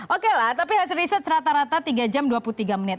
oke lah tapi hasil riset rata rata tiga jam dua puluh tiga menit